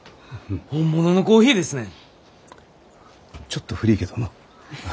ちょっと古いけどのお。